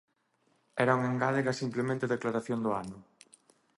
Era unha engádega simplemente de aclaración do ano.